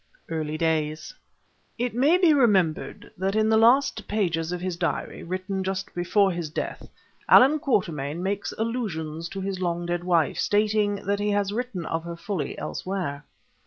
EARLY DAYS It may be remembered that in the last pages of his diary, written just before his death, Allan Quatermain makes allusion to his long dead wife, stating that he has written of her fully elsewhere.